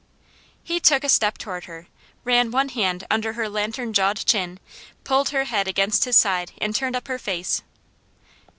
He took a step toward her, ran one hand under her lanternjawed chin, pulled her head against his side and turned up her face.